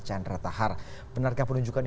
keputusan presiden jokowi